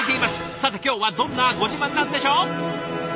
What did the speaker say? さて今日はどんなご自慢なんでしょ？